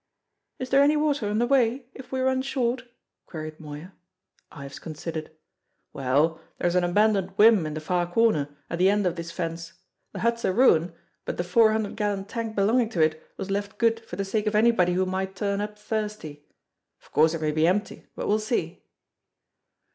"Is there any water on the way, if we run short?" queried Moya. Ives considered. "Well, there's an abandoned whim in the far corner, at the end of this fence; the hut's a ruin, but the four hundred gallon tank belonging to it was left good for the sake of anybody who might turn up thirsty. Of course it may be empty, but we'll see."